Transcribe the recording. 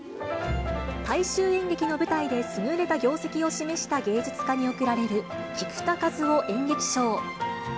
大衆演劇の舞台で優れた業績を示した芸術家に贈られる、菊田一夫演劇賞。